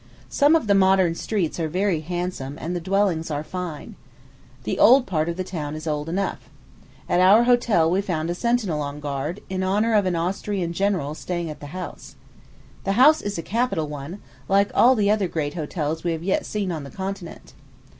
Some of the modern streets are very handsome, and the dwellings are fine. The old part of the town is old enough. At our hotel we found a sentinel on guard, in honor of an Austrian general staying at the house. The house is a capital one, like all the other great hotels we have yet seen on the continent.